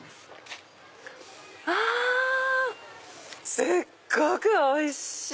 すっごくおいしい！